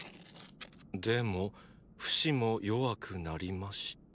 でもフシも弱くなりました。